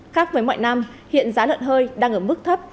khác với mọi năm hiện giá lợn hơi đang ở mức thấp